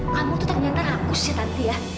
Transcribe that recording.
kamu tuh ternyata rakus ya tantia